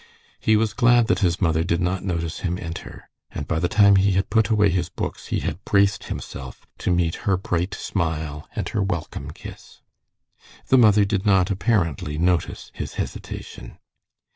He was glad that his mother did not notice him enter, and by the time he had put away his books he had braced himself to meet her bright smile and her welcome kiss. The mother did not apparently notice his hesitation.